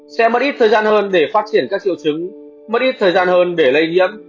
sẽ mất ít thời gian hơn để phát triển các triệu chứng mất ít thời gian hơn để lây nhiễm